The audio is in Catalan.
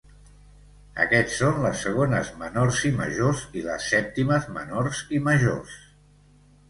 Aquests són les segones menors i majors i les sèptimes menors i majors.